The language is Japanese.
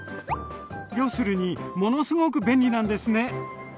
要するにものすごく便利なんですね。